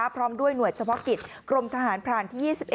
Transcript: พร้อมด้วยหน่วยเฉพาะกิจกรมทหารพรานที่๒๑